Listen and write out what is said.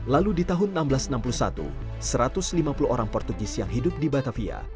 lalu di tahun seribu enam ratus enam puluh satu satu ratus lima puluh orang portugis yang hidup di batavia